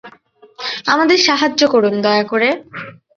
আমাদের সাহায্য করুন, দয়া করে!